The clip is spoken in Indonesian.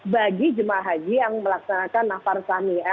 bagi jemaah haji yang melaksanakan nafar awal maksudnya